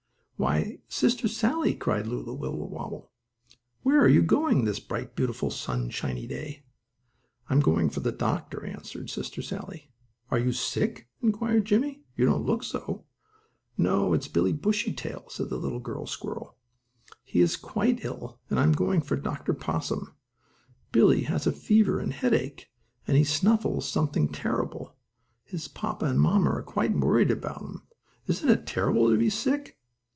"Why, Sister Sallie!" cried Lulu Wibblewobble, "where are you going this bright, beautiful, sunshiny day?" "I'm going for the doctor," answered Sister Sallie. "Are you sick?" inquired Jimmie. "You don't look so." "No, it's Billie Bushytail," said the little girl squirrel. "He is quite ill, and I am going for Dr. Possum. Billie has a fever and headache, and he snuffles something terrible. His papa and mamma are quite worried about him. Isn't it terrible to be sick?"